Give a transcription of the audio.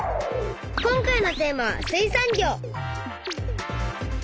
今回のテーマは「水産業」。